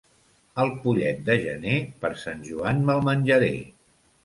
El pollet de gener per Sant Joan me'l menjaré.